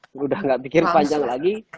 sudah tidak pikir panjang lagi